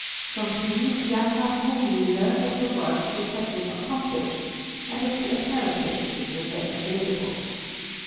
From him young Marconi learned of the work which had been accomplished, and of the apparatus which was then available.